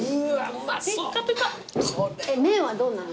麺はどんなの？